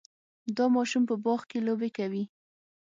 دا ماشوم په باغ کې لوبې کوي.